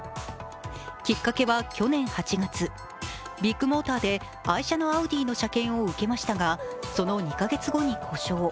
きっかけは去年８月、ビッグモーターで愛車のアウディの車検を受けましたが、その２か月後に故障。